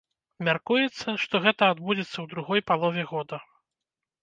Мяркуецца, што гэта адбудзецца ў другой палове года.